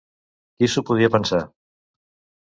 Qui s'ho podia pensar!